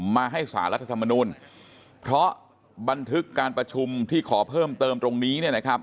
มาให้สารรัฐธรรมนุนเพราะบันทึกการประชุมที่ขอเพิ่มเติมตรงนี้